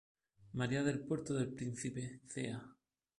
María del Puerto del Príncipe, ca.